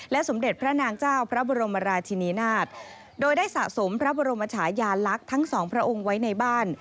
สมเด็จพระนางเจ้าพระบรมราชินีนาฏโดยได้สะสมพระบรมชายาลักษณ์ทั้งสองพระองค์ไว้ในบ้าน